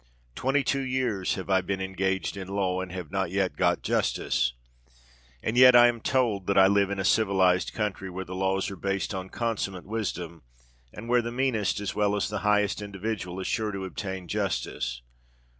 Twenty two years have I been engaged in law—and have not yet got justice! And yet I am told that I live in a civilised country, where the laws are based on consummate wisdom, and where the meanest as well as the highest individual is sure to obtain justice.